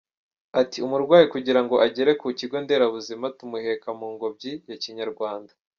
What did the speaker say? Ati “Umurwayi kugira ngo agere ku kigo nderabuzima tumuheka mu ngobyi ya Kinyarwanda.